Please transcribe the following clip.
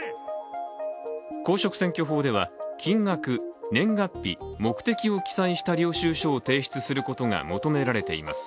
公職選挙法では、金額、年月日、目的を記載した領収書を提出することが求められています。